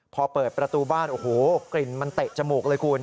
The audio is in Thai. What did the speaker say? พอเปิดประตูบ้านโอ้โหกลิ่นมันเตะจมูกเลยคุณ